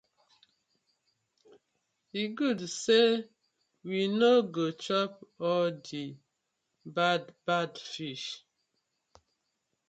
E good say we no go chop all the bad bad fish.